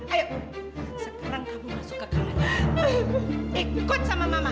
ayok sekarang kamu masuk ke kamar ikut sama mama